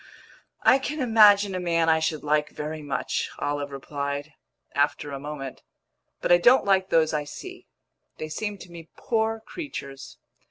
"I can imagine a man I should like very much," Olive replied, after a moment. "But I don't like those I see. They seem to me poor creatures."